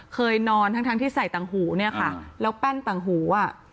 เคยนอนทั้งที่ใส่ต่างหูเนี่ยค่ะแล้วแป้นต่างหูอ่ะ